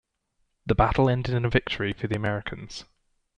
The battle ended in a victory for the Americans.